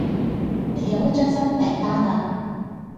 你有一張新訂單呀